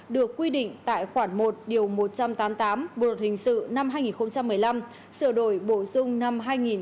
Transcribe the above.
được quy định tại khoản một một trăm tám mươi tám bộ luật hình sự năm hai nghìn một mươi năm sửa đổi bổ sung năm hai nghìn một mươi bảy